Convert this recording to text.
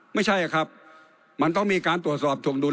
ไม่ใช่ครับมันต้องมีการตรวจสอบถวงดุล